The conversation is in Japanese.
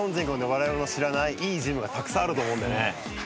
我々の知らないいいジムがたくさんあると思うんでね。